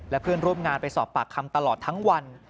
และเพื่อนร่วมงานไปสอบปากคำตลอดทั้งวัน